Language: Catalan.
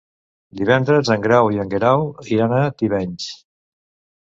Divendres en Grau i en Guerau iran a Tivenys.